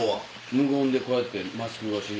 無言でこうやってマスク越しに。